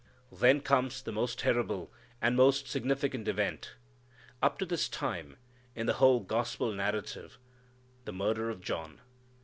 Then comes the most terrible, and most significant event, up to this time, in the whole gospel narrative the murder of John.